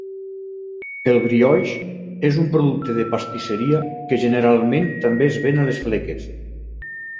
El brioix és un producte de pastisseria que generalment també es ven a les fleques.